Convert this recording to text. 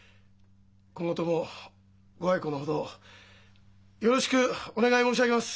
今後ともご愛顧のほどよろしくお願い申し上げます。